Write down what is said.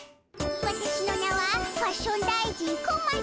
わたしの名はファッション大臣小町。